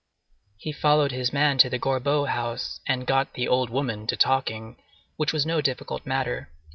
He followed his man to the Gorbeau house, and got "the old woman" to talking, which was no difficult matter.